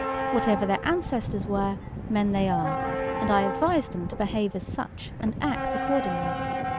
Whatever their ancestors were, men they are; and I advise them to behave as such, and act accordingly.